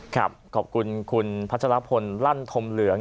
ขอบคุณคุณพัชรพลลั่นธมเหลือง